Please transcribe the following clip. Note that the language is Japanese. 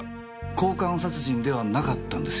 交換殺人ではなかったんですよね？